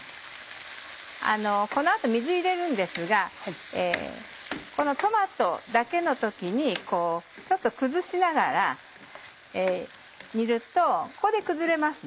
この後水入れるんですがこのトマトだけの時にちょっと崩しながら煮るとここで崩れます。